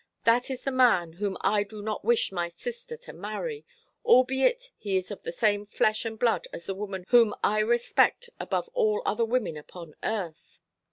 That is the man whom I do not wish my sister to marry; albeit he is of the same flesh and blood as the woman whom I respect above all other women upon earth."